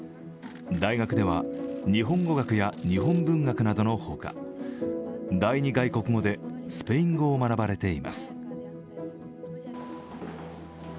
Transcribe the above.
大学では日本語学や日本文学などのほか、第２外国語でスペイン語を学ばれています。